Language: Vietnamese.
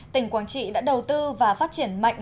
tỉnh quảng trị đã đầu tư và phát triển mạnh